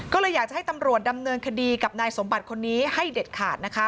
ก็เลยอยากจะให้ตำรวจดำเนินคดีกับนายสมบัติคนนี้ให้เด็ดขาดนะคะ